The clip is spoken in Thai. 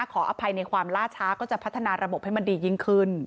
ขออภัยในความล่าช้าก็จะพัฒนาระบบให้มันดียิ่งขึ้น